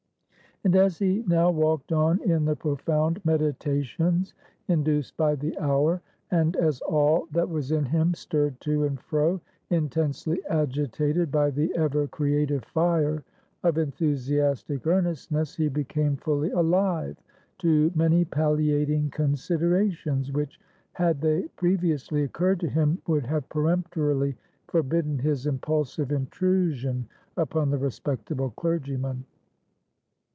And as he now walked on in the profound meditations induced by the hour; and as all that was in him stirred to and fro, intensely agitated by the ever creative fire of enthusiastic earnestness, he became fully alive to many palliating considerations, which had they previously occurred to him would have peremptorily forbidden his impulsive intrusion upon the respectable clergyman.